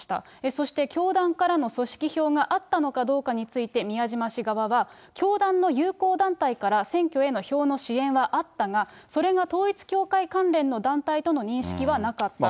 そして教団からの組織票があったのかどうかについて、宮島氏側は、教団の友好団体から選挙への票の支援はあったが、それが統一教会関連の団体との認識はなかった。